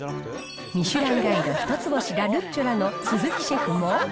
ミシュランガイド一つ星ラ・ルッチョラの鈴木シェフも。